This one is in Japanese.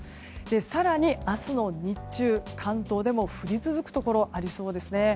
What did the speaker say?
更に明日の日中、関東でも降り続くところありそうですね。